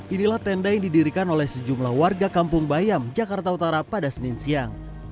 inilah tenda yang didirikan oleh sejumlah warga kampung bayam jakarta utara pada senin siang